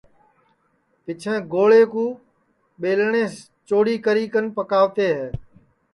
پیچھیں گوݪے کُو ٻیلٹؔیس چوڑی کری کن پکاوتے ہے